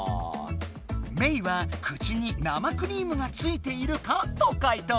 メイは「口に生クリームがついているか」とかい答。